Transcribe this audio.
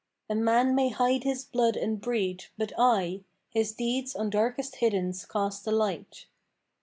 A man may hide his blood and breed, but aye * His deeds on darkest hiddens cast a light.